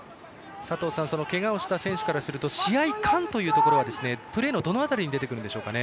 けがをした選手からすると試合勘というところはプレーのどの辺りに出てくるんでしょうか？